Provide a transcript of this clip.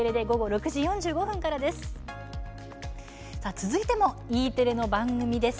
続いても、Ｅテレの番組です。